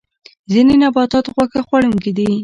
ځینې نباتات غوښه خوړونکي دي